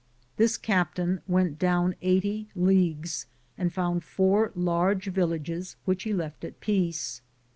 This captain went down. 80 leagues and found four large villages. which he left at peace.